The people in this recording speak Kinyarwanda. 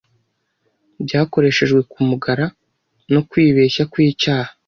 Byakoreshejwe kumugara no kwibeshya kwicyaha